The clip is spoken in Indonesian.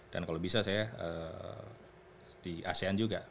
dan kalau bisa saya di asean juga